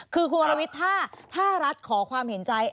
คือคุณวรวิทย์ถ้ารัฐขอความเห็นใจ